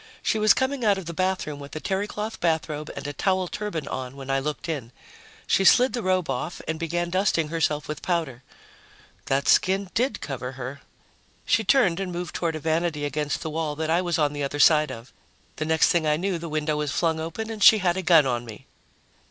She was coming out of the bathroom with a terrycloth bathrobe and a towel turban on when I looked in. She slid the robe off and began dusting herself with powder. That skin did cover her. She turned and moved toward a vanity against the wall that I was on the other side of. The next thing I knew, the window was flung up and she had a gun on me.